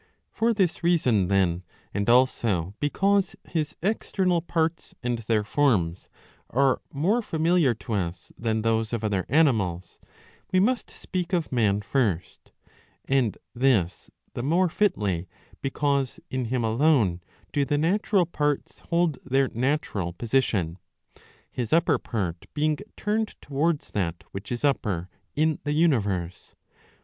For this reason, then, and also because his external parts and their forms are more familiar to us than those of other animals, we must speak of man first ; and this the more fitly, because in him alone do the natural parts hold their natural position ; his upper part' being turned towards that which is upper in the universe.